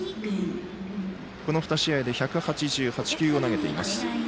この２試合で１８８球を投げています。